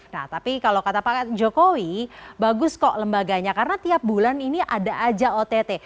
nah tapi kalau kata pak jokowi bagus kok lembaganya karena tiap bulan ini ada aja ott